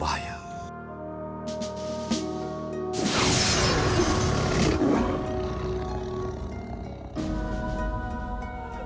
bisa terjadi apa ini